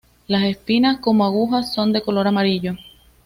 Las espinas como agujas, son de color amarillo.